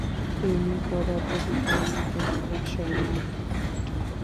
তিনি পদার্থবিজ্ঞান এবং রসায়নে আগ্রহী হয়ে উঠেন।